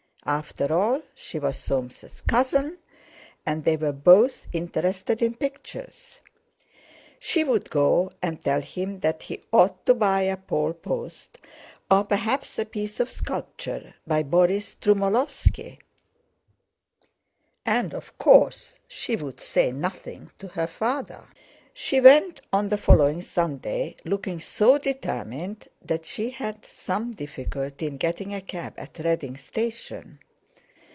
After all, she was Soames' cousin, and they were both interested in pictures. She would go and tell him that he ought to buy a Paul Post, or perhaps a piece of sculpture by Boris Strumolowski, and of course she would say nothing to her father. She went on the following Sunday, looking so determined that she had some difficulty in getting a cab at Reading station.